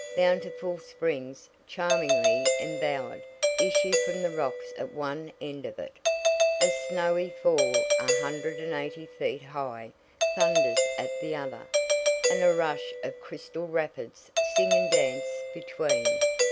Bountiful springs, charmingly embowered, issue from the rocks at one end of it, a snowy fall a hundred and eighty feet high thunders at the other, and a rush of crystal rapids sing and dance between.